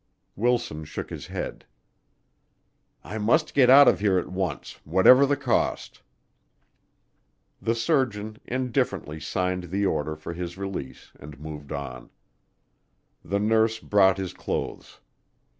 Wilson shook his head. "I must get out of here at once, whatever the cost." The surgeon indifferently signed the order for his release and moved on. The nurse brought his clothes.